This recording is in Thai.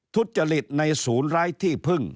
ทุจริตในศูนย์ไร้ที่พึ่ง